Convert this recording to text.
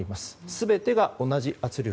全てが同じ圧力。